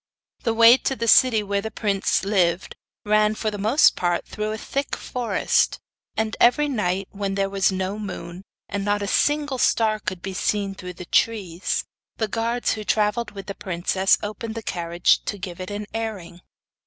The way to the city where the prince lived ran for the most part through a thick forest, and every night when there was no moon, and not a single star could be seen through the trees, the guards who travelled with the princess opened the carriage to give it an airing.